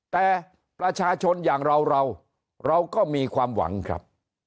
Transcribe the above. แต่ประชาชนอย่างเราเราเราก็มีความหวังครับ